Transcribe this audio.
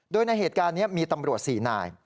โดยในเหตุการณ์นี้มีตำรวจ๔นาย